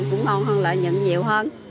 cũng ngon hơn lợi nhận nhiều hơn